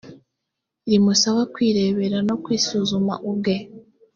rimusaba kwirebera no kwisuzuma ubwe